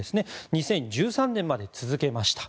２０１３年まで続けました。